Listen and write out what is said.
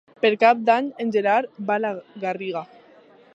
Per Cap d'Any en Gerard va a la Garriga.